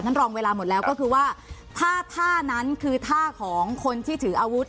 รองเวลาหมดแล้วก็คือว่าถ้าท่านั้นคือท่าของคนที่ถืออาวุธ